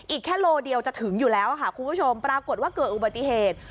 อีกแค่โลเดียวจะถึงอยู่แล้วค่ะคุณผู้ชมปรากฏว่าเกิดอุบัติเหตุ